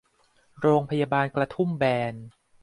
โรงพยาบาลกระทุ่มแบน